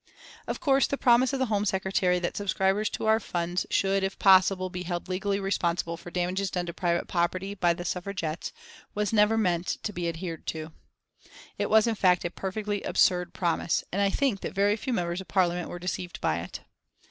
Of course the promise of the Home Secretary that subscribers to our funds should, if possible, be held legally responsible for damage done to private property by the Suffragettes, was never meant to be adhered to. It was, in fact, a perfectly absurd promise, and I think that very few Members of Parliament were deceived by it.